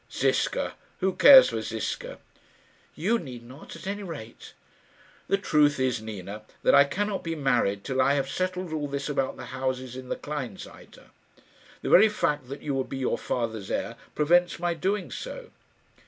"Ziska! Who cares for Ziska?" "You need not, at any rate." "The truth is, Nina, that I cannot be married till I have settled all this about the houses in the Kleinseite. The very fact that you would be your father's heir prevents my doing so."